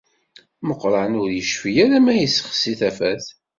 Meqqran ur yecfi ara ma yessexsi tafat.